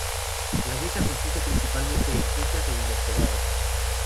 La dieta consiste principalmente en frutas e invertebrados.